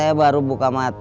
kau mau berangkat